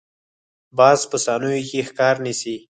باز په ثانیو کې ښکار نیسي